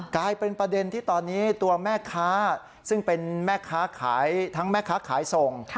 กลายเป็นประเด็นที่ตอนนี้ตัวแม่ค้าซึ่งเป็นแม่ค้าขายทั้งแม่ค้าขายส่ง